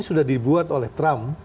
sudah dibuat oleh trump